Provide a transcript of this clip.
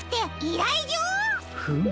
フム。